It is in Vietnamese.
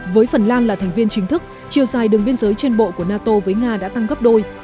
với phần lan là thành viên chính thức chiều dài đường biên giới trên bộ của nato với nga đã tăng gấp đôi